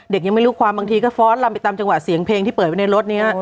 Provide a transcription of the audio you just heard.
ยังไม่รู้ความบางทีก็ฟ้อนลำไปตามจังหวะเสียงเพลงที่เปิดไว้ในรถนี้